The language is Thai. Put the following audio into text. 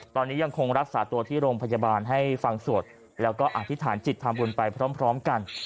ตอนนี้ยังคงรักษาตัวที่โรงพยาบาลให้ฟังสวดแล้วก็อธิษฐานจิตทำบุญไปพร้อมกัน